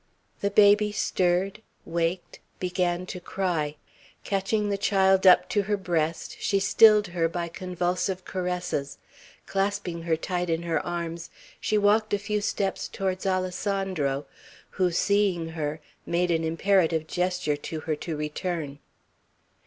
The baby stirred, waked, began to cry. Catching the child up to her breast, she stilled her by convulsive caresses. Clasping her tight in her arms, she walked a few steps towards Alessandro, who, seeing her, made an imperative gesture to her to return.